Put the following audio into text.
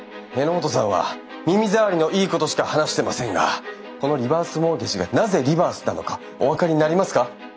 榎本さんは耳ざわりのいいことしか話してませんがこのリバースモーゲージがなぜリバースなのかお分かりになりますか？